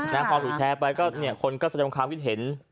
ในความถูกแชร์ไปคนก็แสดงความคิดเห็น